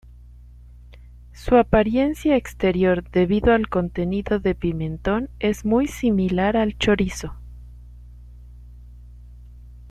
Su apariencia exterior debido al contenido de pimentón es muy similar al chorizo.